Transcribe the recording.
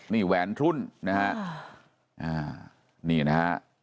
นี่แหวนทุ่นนะฮะ